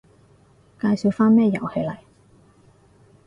介紹返咩遊戲嚟